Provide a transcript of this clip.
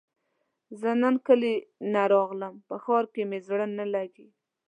زۀ نن کلي نه راغلم په ښار کې مې زړه نه لګي